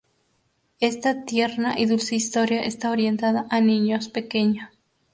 Esta tierna y dulce historia está orientada a niños pequeños.